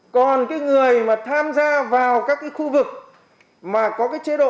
còn cái người mà tham gia vào các cái khu vực mà có cái chế độ